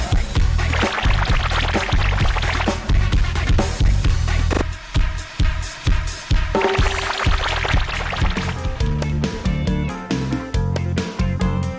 มีความสุขมากในช่วงวันหยุดสุดสัปดาห์นะครับ